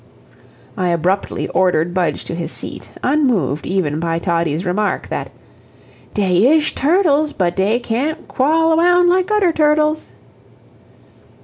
I abruptly ordered Budge to his seat, unmoved even by Toddie's remark, that "Dey ish turtles, but dey can't knawl awound like udder turtles."